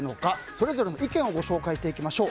それぞれの意見をご紹介していきましょう。